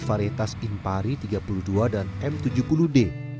varitas impari tiga puluh dua dan m tujuh puluh d